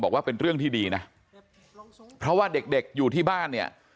บอกว่าเป็นเรื่องที่ดีนะเพราะว่าเด็กเด็กอยู่ที่บ้านเนี่ย